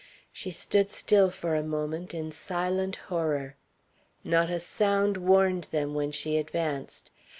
She stood still for a moment in silent horror. Not a sound warned them when she advanced.